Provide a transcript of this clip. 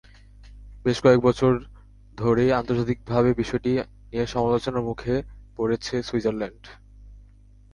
বেশ কয়েক বছর ধরেই আন্তর্জাতিকভাবে বিষয়টি নিয়ে সমালোচনার মুখে পড়েছে সুইজারল্যান্ড।